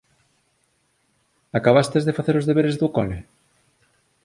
Acabastes de facer os deberes do cole?